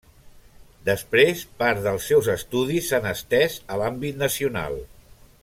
Després, part dels seus estudis s'han estès a l'àmbit nacional.